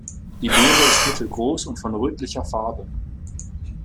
Die Beere ist mittelgroß und von rötlicher Farbe.